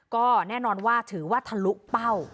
ก็แน่นอนว่าถือว่าทะลุเป้า